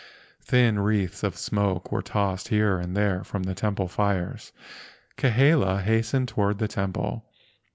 Thin wreaths of smoke were tossed here and there from the temple fires. Kahele hastened toward the temple.